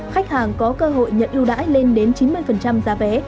khách hàng có cơ hội nhận ưu đãi lên đến chín mươi giá vé